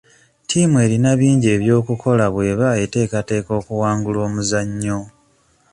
Ttiimu erina bingi ebyokukola bweba eteekateeka okuwangula omuzannyo.